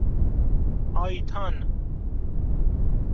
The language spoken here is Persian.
آیتان